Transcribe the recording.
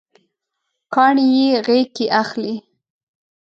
کاڼي یې غیږکې اخلي